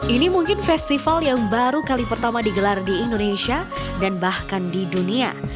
ini mungkin festival yang baru kali pertama digelar di indonesia dan bahkan di dunia